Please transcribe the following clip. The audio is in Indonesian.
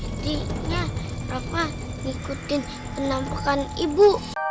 intinya rafa ngikutin penampakan ibu